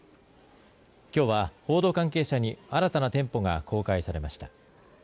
きょうは、報道関係者に新たな店舗が公開されました。